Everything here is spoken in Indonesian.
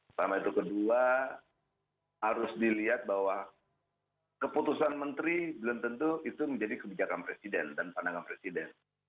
pertama itu kedua harus dilihat bahwa keputusan menteri belum tentu itu menjadi kebijakan presiden dan pandangan presiden